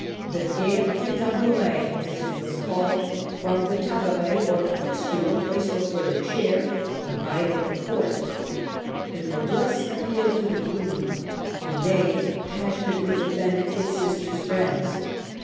The guerre des tabourets, tabourets , as it was called from the ' tabouret * or footstool placed before the chair, divided the court. The noblesse appealed to the Queen ; Conde passionately defended his sister's friends.